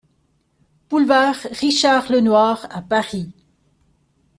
Boulevard Richard Lenoir à Paris